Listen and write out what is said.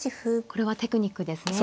これはテクニックですね。